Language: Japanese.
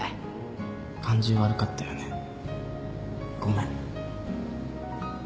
感じ悪かったよねごめん。